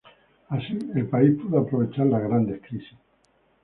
Así, el país pudo aprovechar las grandes crisis.